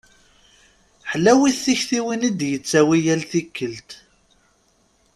Ḥlawit tiktiwin i d-yettawi yal tikkelt.